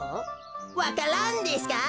わか蘭ですか？